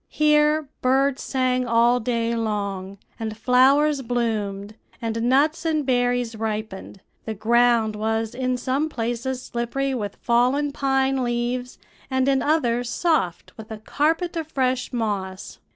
Here birds sang all day long, and flowers bloomed, and nuts and berries ripened; the ground was in some places slippery with fallen pine leaves, and in others soft with a carpet of fresh moss.